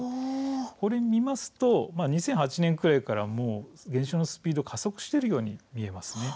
これを見ますと２００８年くらいから減少のスピードが加速しているように見えます。